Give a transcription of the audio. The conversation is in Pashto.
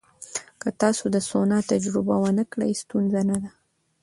که تاسو د سونا تجربه ونه کړئ، ستونزه نه ده.